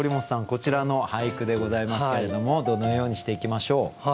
こちらの俳句でございますけれどもどのようにしていきましょう？